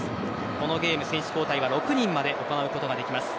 このゲーム、選手交代は６人まで行うことができます。